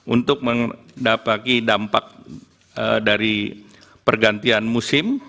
untuk mendapati dampak dari pergantian musim